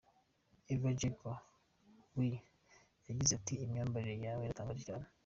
Everjaber we yagize ati “imyambarire yawe iratangaje cyane.